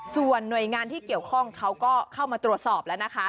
ส่วนหน่วยงานที่เกี่ยวข้องเขาก็เข้ามาตรวจสอบแล้วนะคะ